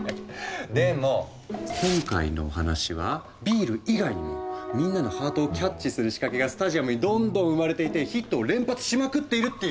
でも今回のお話はビール以外にもみんなのハートをキャッチする仕掛けがスタジアムにどんどん生まれていてヒットを連発しまくっているっていう。